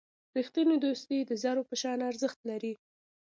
رښتینی دوستي د زرو په شان ارزښت لري.